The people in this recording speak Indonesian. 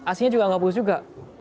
ibunya juga nggak bagus juga